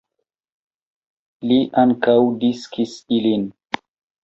Li ankaŭ diskis ilin.